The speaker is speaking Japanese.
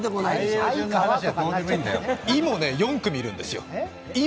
「い」も４組いるんですよ。